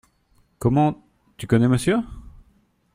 Comment, tu connais monsieur ?